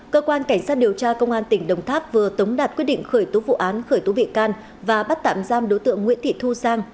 cơ quan cảnh sát điều tra công an tỉnh đồng tháp vừa tống đạt quyết định khởi tố vụ án khởi tố bị can và bắt tạm giam đối tượng nguyễn thị thu giang